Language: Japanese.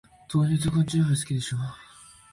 豆乳と缶チューハイ、好きでしょ。